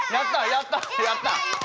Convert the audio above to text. やった！